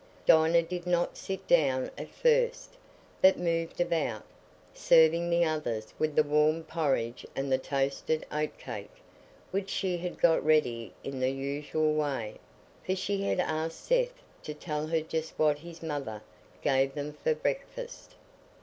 Dinah did not sit down at first, but moved about, serving the others with the warm porridge and the toasted oat cake, which she had got ready in the usual way, for she had asked Seth to tell her just what his mother gave them for breakfast.